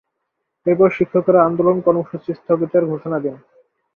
এরপর শিক্ষকেরা আন্দোলন কর্মসূচি স্থগিতের ঘোষণা দেন।